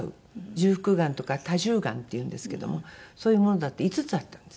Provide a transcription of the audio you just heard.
重複がんとか多重がんっていうんですけどもそういうものだって５つあったんです。